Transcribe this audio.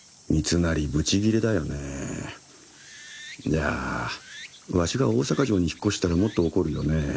じゃあわしが大坂城に引っ越したらもっと怒るよね？